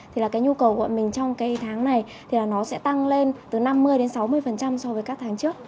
thì là cái nhu cầu của mình trong cái tháng này thì nó sẽ tăng lên từ năm mươi đến sáu mươi so với các tháng trước